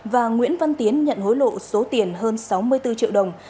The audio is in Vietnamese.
và nguyễn văn tiến nhận hối lộ số tiền hơn sáu mươi bốn triệu đồng